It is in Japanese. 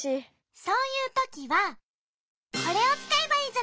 そういうときはこれをつかえばいいじゃない。